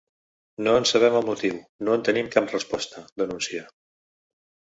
“No en sabem el motiu, no en tenim cap resposta”, denuncia.